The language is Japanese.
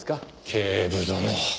警部殿！